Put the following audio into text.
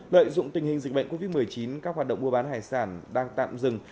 lợi dụng tình hình dịch bệnh covid một mươi chín các hoạt động mua bán hải sản đang tạm dừng